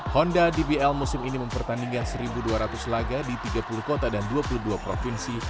honda dbl musim ini mempertandingkan satu dua ratus laga di tiga puluh kota dan dua puluh dua provinsi